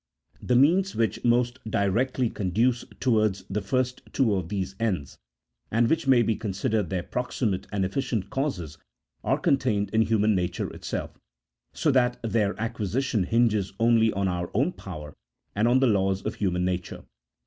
The means which most directly conduce towards the first two of these ends, and which may be considered their proximate and efficient causes are contained in human nature itself, so that their acquisition hinges only on our own power, and on the laws of human nature.